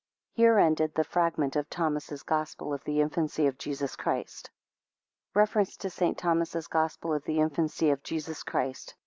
(Here endeth the fragment of Thomas's Gospel of the Infancy of Jesus Christ.) REFERENCE TO ST. THOMAS'S GOSPEL OF THE INFANCY OF JESUS CHRIST.